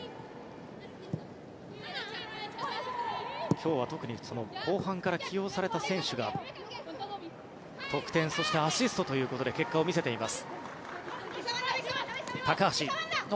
今日は特に後半から起用された選手が得点、そしてアシストということで結果を見せています。